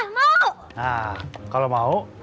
mau pak mau nah kalau mau